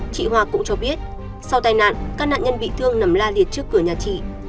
chị hoa cũng cho biết sau tai nạn các nạn nhân bị thương nằm la liệt trước cửa nhà chị